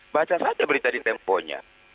baca saja berita di temponya